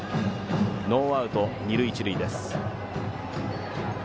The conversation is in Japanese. ノーアウト、二塁一塁。